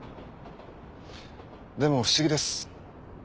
でも不思議です。